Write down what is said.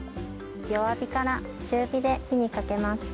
弱火から中火で火にかけます。